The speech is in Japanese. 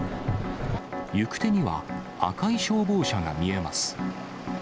行く手には赤い消防車が見えます。